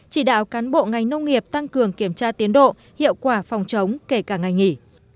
chỉ đạo cán bộ ngành nông nghiệp tăng cường kiểm tra tiến độ hiệu quả phòng chống kể cả ngày nghỉ